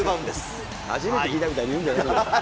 初めて聞いたみたいに言うんじゃないよ。